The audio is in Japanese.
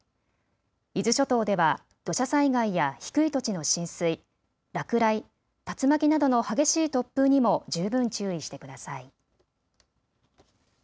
伊豆諸島では土砂災害や低い土地の浸水、落雷、竜巻などの激しい突風にも十分注意してください。